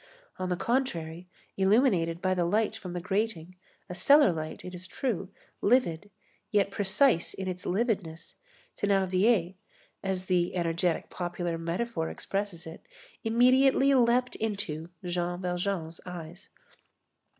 On the contrary, illuminated by the light from the grating, a cellar light, it is true, livid, yet precise in its lividness, Thénardier, as the energetic popular metaphor expresses it, immediately "leaped into" Jean Valjean's eyes.